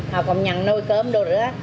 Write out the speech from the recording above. họ cũng nhắn nồi cơm đồ nữa